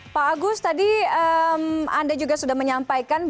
pak agus tadi anda juga sudah menyampaikan